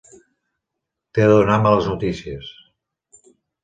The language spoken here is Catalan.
T'he de donar males notícies.